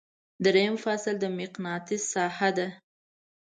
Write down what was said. دریم فصل د مقناطیس ساحه ده.